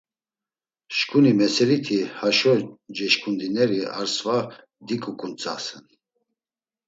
Şǩuni meseliti haşo ceşǩundineri ar sva diǩuǩuntzasen.